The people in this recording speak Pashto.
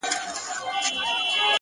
عاجزي د حکمت ښکلی انعکاس دی!